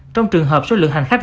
trong trường hợp số lượng hành khách